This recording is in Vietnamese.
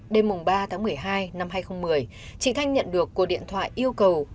đêm ba tháng một mươi hai năm hai nghìn một mươi chị thanh nhận được cuộc điện thoại yêu cầu